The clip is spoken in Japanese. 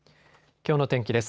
きょうの天気です。